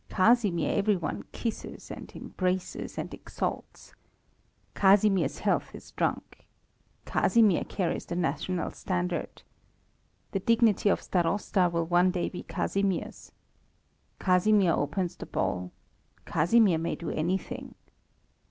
Casimir every one kisses and embraces and exalts. Casimir's health is drunk. Casimir carries the national standard. The dignity of Starosta will one day be Casimir's. Casimir opens the ball. Casimir may do anything.